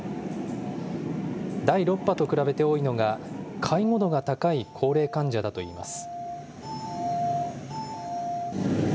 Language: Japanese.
第６波と比べて多いのが、介護度が高い高齢患者だといいます。